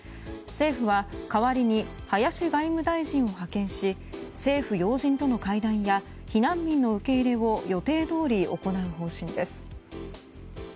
政府は代わりに林外務大臣を派遣し政府要人との会談や避難民の受け入れを予定どおり行う方針です。